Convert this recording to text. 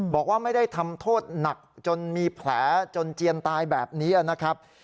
บอกว่าไม่ได้ทำโทษหนักจนมีแผลจนเจียนตายแบบนี้นะครับ